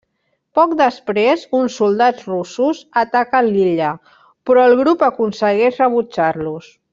Poc després, uns soldats russos ataquen l'illa, però el grup aconsegueix rebutjar-los.